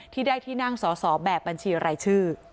ที่ได้ที่นั่งสอสอแบบบัญชีรายชื่อ